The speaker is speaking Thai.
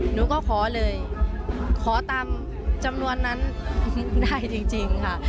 หนูก็ขอเลยขอตามจำนวนนั้นได้จริงค่ะ